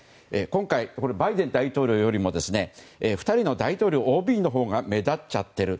今回、バイデン大統領よりも２人の大統領ＯＢのほうが目立っちゃっている。